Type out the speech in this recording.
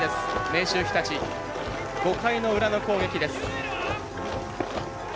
明秀日立、５回の裏の攻撃です。